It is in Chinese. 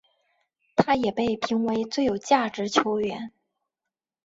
他也被评为最有价值球员。